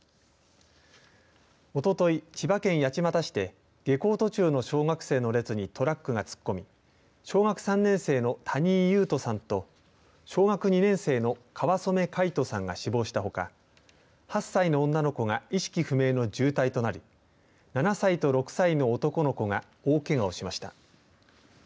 おととい、千葉県八街市で下校途中の小学生の列にトラックが突っ込み小学３年生の谷井勇斗さんと小学２年生の川染凱仁さんが死亡したほか８歳の女の子が意識不明の重体となり７歳と６歳の男の子が大けがをしました。